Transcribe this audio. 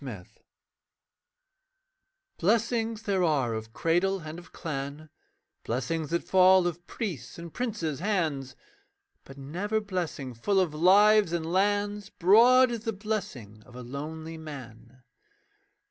ALONE Blessings there are of cradle and of clan, Blessings that fall of priests' and princes' hands; But never blessing full of lives and lands, Broad as the blessing of a lonely man.